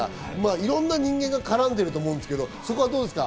いろんな人間が絡んでると思うんですけどどうですか？